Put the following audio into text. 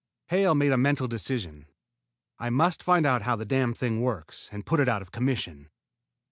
Hale made a mental decision. "I must find out how the damned thing works and put it out of commission."